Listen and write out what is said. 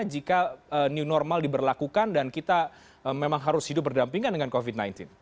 jika new normal diberlakukan dan kita memang harus hidup berdampingan dengan covid sembilan belas